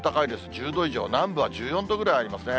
１０度以上、南部は１４度ぐらいありますね。